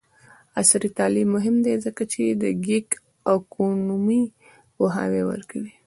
عصري تعلیم مهم دی ځکه چې د ګیګ اکونومي پوهاوی ورکوي.